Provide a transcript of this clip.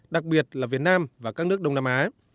đặc biệt là việt nam và các nước đông nam á